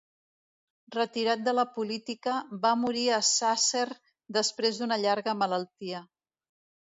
Retirat de la política, va morir a Sàsser després d'una llarga malaltia.